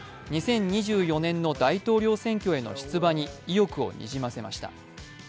２０２４年の大統領選挙への出馬に意欲をにじませました。